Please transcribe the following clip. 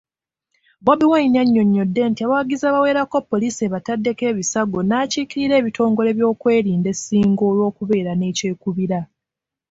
BobiWine annyonnyodde nti abawagizi abawerako poliisi ebataddeko ebisago n'akiikira ebitongole by'ebyokwerinda e singo olw'okubeera nekyekubiira.